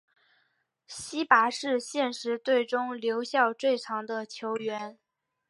希拔是现时队中留效最长的球员。